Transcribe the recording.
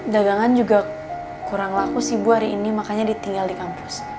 dagangan juga kurang laku sih bu hari ini makanya ditinggal di kampus